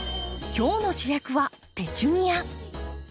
今日の主役はペチュニア。